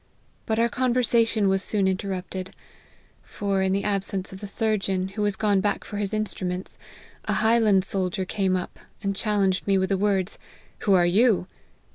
But our conversation was soon interrupted ; for, in the absence of the sur geon, who was gone back for his instruments, a highland soldier came up, and challenged me with the words, 'Who are you?'